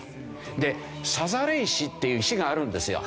でさざれ石っていう石があるんですよ。